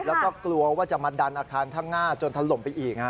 แล้วก็กลัวว่าจะมาดันอาคารข้างหน้าจนถล่มไปอีก